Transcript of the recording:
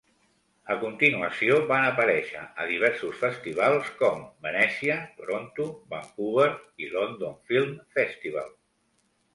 A continuació, van aparèixer a diversos festivals com Venècia, Toronto, Vancouver i London Film Festival.